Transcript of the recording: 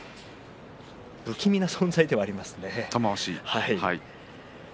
不気味な存在ではありますね玉鷲。